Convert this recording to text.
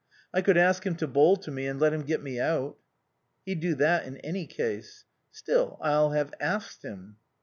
... "I could ask him to bowl to me and let him get me out." "He'd do that in any case." "Still I'll have asked him."